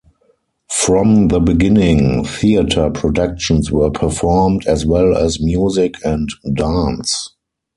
From the beginning, theater productions were performed as well as music and dance.